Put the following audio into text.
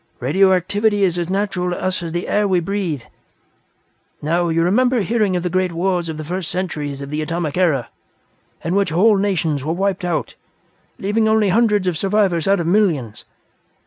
Radioactivity is as natural to us as the air we breathe. Now, you remember hearing of the great wars of the first centuries of the Atomic Era, in which whole nations were wiped out, leaving only hundreds of survivors out of millions.